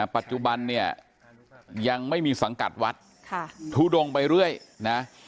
ปัจจุบันเนี่ยยังไม่มีสังกัดวัดทุดงไปเรื่อยนะ